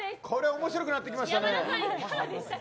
面白くなってきましたね。